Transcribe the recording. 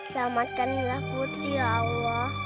selamatkanlah putri ya allah